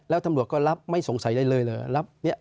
แล้วธรรมดวก็รับไม่สงสัยเลยเลย